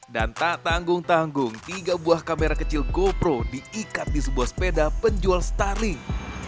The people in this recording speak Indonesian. dan tak tanggung tanggung tiga buah kamera kecil gopro diikat di sebuah sepeda penjual starling